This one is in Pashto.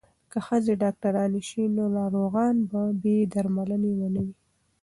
که ښځې ډاکټرانې شي نو ناروغان به بې درملنې نه وي.